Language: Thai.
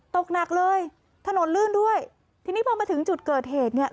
ตกหนักเลยถนนลื่นด้วยทีนี้พอมาถึงจุดเกิดเหตุเนี่ย